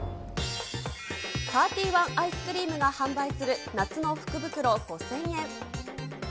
サーティワンアイスクリームが販売する夏の福袋５０００円。